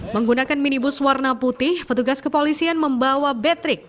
menggunakan minibus warna putih petugas kepolisian membawa betrik